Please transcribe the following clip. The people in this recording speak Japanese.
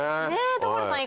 所さん